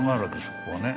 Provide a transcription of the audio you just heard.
ここはね。